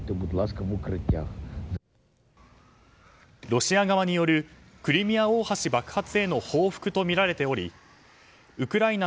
ロシア側によるクリミア大橋爆発に対する報復とみられておりウクライナ